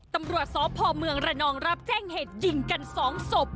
ตำรวจสพเมืองระนองรับแจ้งเหตุยิงกัน๒ศพ